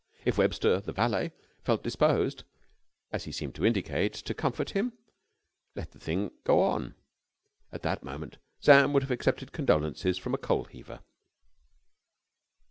If Webster, the valet, felt disposed, as he seemed to indicate, to comfort him, let the thing go on. At that moment Sam would have accepted condolences from a coal heaver.